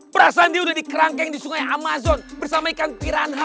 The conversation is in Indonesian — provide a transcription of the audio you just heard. pra sandi udah dikerangkeng di sungai amazon bersama ikan piranha